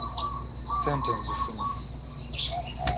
Ssente nzifunye.